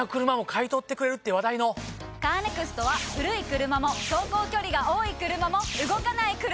カーネクストは古い車も走行距離が多い車も動かない車でも。